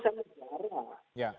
karena itu memerlukan